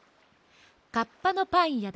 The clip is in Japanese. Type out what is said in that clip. カッパのパンやだ。